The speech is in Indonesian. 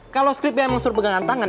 kalau scriptnya emang suruh pegangan tangan